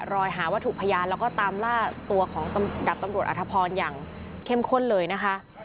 รอยหาวัตถุพยานแล้วก็ตามล่าตัวของดับตำรวจอธพรอย่างเข้มข้นเลยนะคะ